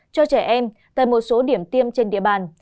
cho trẻ em tại một số điểm tiêm trên địa bàn